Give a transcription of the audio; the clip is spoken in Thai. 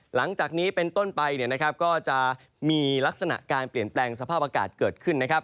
หลังจากนี้เป็นต้นไปเนี่ยนะครับก็จะมีลักษณะการเปลี่ยนแปลงสภาพอากาศเกิดขึ้นนะครับ